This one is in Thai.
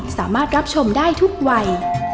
สามารถรับชมได้ทุกวัย